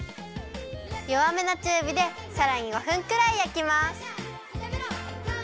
よわめのちゅうびでさらに５分くらいやきます。